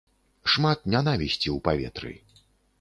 Шмат нянавісці ў паветры.